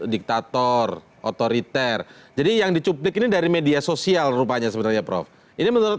diktator otoriter jadi yang dicuplik ini dari media sosial rupanya sebenarnya prof ini menurut